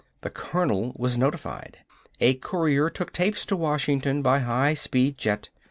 The colonel was notified. A courier took tapes to Washington by high speed jet.